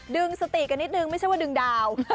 ดึงสติกันนิดนึงไม่ใช่ว่าดึงดาว